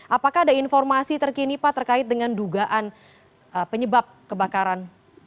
apakah ada informasi terkini pak terkait dengan dugaan penyebab kebakaran